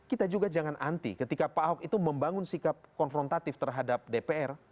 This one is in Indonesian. kita juga jangan anti ketika pak ahok itu membangun sikap konfrontatif terhadap dpr